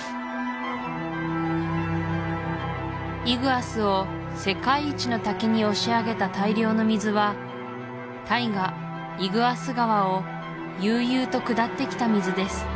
イグアスを世界一の滝に押し上げた大量の水は大河イグアス川を悠々と下ってきた水です